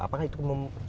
apakah itu mem